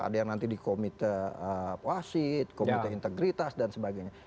ada yang nanti di komite wasit komite integritas dan sebagainya